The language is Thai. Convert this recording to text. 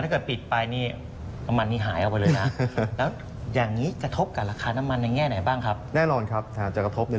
ค่อนข้างเยอะเยอะนะครับค่อนข้างเยอะทีเดียวนะครับใช่